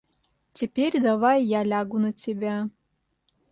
Теперь давай я лягу на тебя.